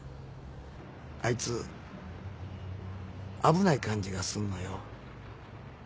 あいつ危ない感じがすんのよ。